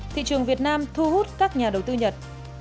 thị trường việt nam thu hút các nhà đầu tư nhật